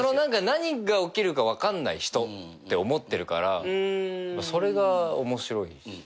でも何が起きるか分かんない人って思ってるからそれが面白い。